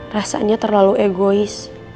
rasanya terlalu egois